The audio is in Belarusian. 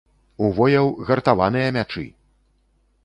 У вояў гартаваныя мячы!